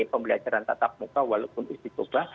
pembelajaran tatap muka walaupun uji coba